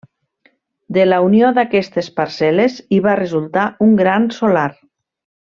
De la unió d'aquestes parcel·les hi va resultar un gran solar.